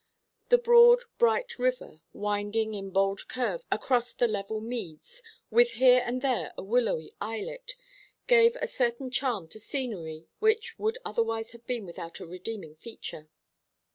The broad bright river, winding in bold curves across the level meads, with here and there a willowy islet, gave a certain charm to scenery which would otherwise have been without a redeeming feature.